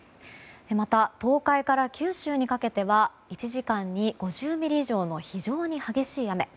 また、東海から九州にかけては１時間に５０ミリ以上の非常に激しい雨。